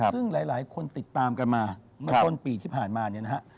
ซึ่งหลายคนติดตามกันมาเมื่อต้นปีที่ผ่านมาเนี่ยนะฮะ